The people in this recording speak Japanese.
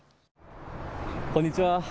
こんにちは。